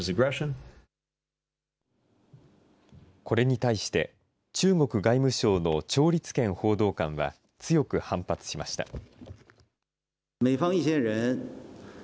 これに対して、中国外務省の趙立堅報道官は強く反発しました。